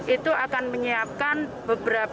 itu akan menyiapkan beberapa